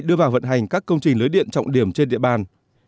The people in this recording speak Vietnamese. đưa vào vận hành các công trình lưới điện trọng điểm trên địa bàn